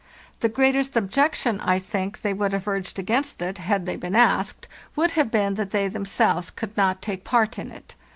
The greatest objection, I think, they would have urged against it, had they been asked, would have been that they themselves could not take part in it.